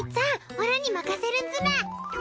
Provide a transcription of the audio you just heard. オラに任せるズラ。